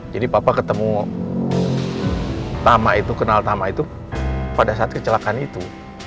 jadi papa ketemu tama itu kenal tama itu pada saat kecelakaan itu